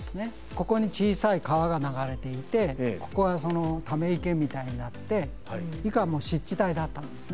ここに小さい川が流れていてここはそのため池みたいになって以下はもう湿地帯だったんですね。